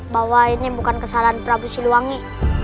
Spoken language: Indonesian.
bahwa ini bukan kesalahan prabu siluwangi